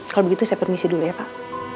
kalau begitu saya permisi dulu ya pak